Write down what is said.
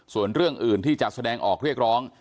ส่วนเรื่องอื่นที่จะแสดงออกเรียกร้อง